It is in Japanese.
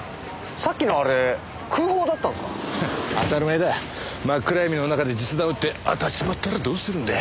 真っ暗闇の中で実弾を撃って当たっちまったらどうするんだよ。